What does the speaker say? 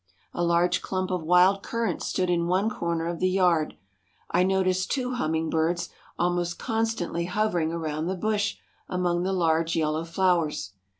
A large clump of wild currants stood in one corner of the yard. I noticed two hummingbirds almost constantly hovering around the bush among the large yellow flowers.